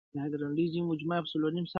تر ننګرهار، تر کندهار ښکلی دی.!